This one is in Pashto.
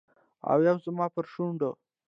او یو زما پر شونډو